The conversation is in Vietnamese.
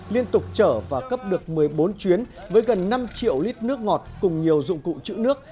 liên tục trở và cấp được một mươi bốn chuyến với gần năm triệu lít nước ngọt cùng nhiều dụng cụ chữ nước